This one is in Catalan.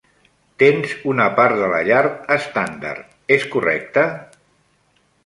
Tens una part de la llar estàndard, és correcte?